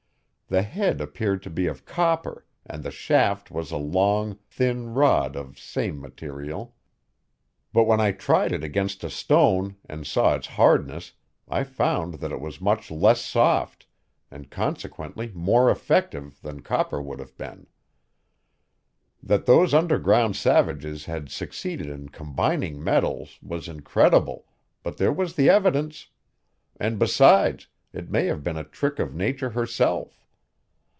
The head appeared to be of copper and the shaft was a long, thin rod of the same material. But when I tried it against a stone and saw its hardness I found that it was much less soft, and consequently more effective, than copper would have been. That those underground savages had succeeded in combining metals was incredible, but there was the evidence; and, besides, it may have been a trick of nature herself.